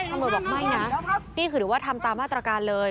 ตำรวจบอกไม่นะนี่คือถือว่าทำตามมาตรการเลย